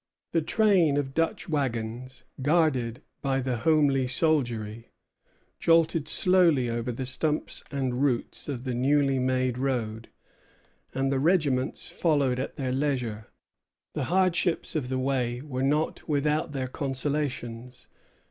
The train of Dutch wagons, guarded by the homely soldiery, jolted slowly over the stumps and roots of the newly made road, and the regiments followed at their leisure. The hardships of the way were not without their consolations.